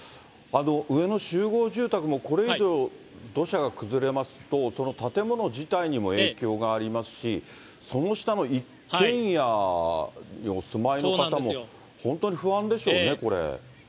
上の集合住宅も、これ以上、土砂が崩れますと、建物自体にも影響がありますし、その下の一軒家にお住まいの方も、本当に不安ですよね、これ。